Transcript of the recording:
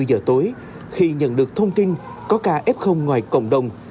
hai mươi giờ tối khi nhận được thông tin có ca f ngoài cộng đồng